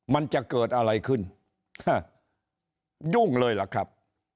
มันจะเกิดอะไรขึ้นยุ่งเลยล่ะครับ